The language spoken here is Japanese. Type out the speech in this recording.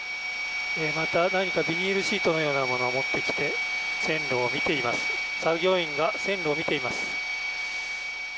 また、何かビニールシートのようなものを持ってきて作業員が線路を見ています。